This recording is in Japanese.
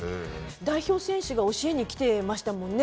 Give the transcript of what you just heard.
代表選手が教えに来てましたもんね